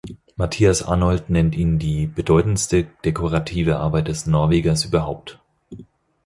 Matthias Arnold nennt ihn „die bedeutendste dekorative Arbeit des Norwegers überhaupt“.